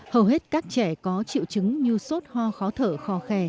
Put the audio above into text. hầu hết các trẻ có triệu chứng như sốt ho khó thở khò khè